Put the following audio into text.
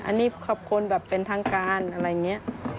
อันนี้ขอบคุณแบบเป็นทางการอะไรอย่างนี้